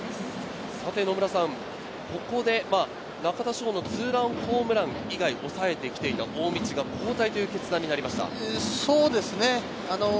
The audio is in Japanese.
野村さん、ここで中田翔のツーランホームラン以外を抑えてきていた大道が、交代という決断になりました。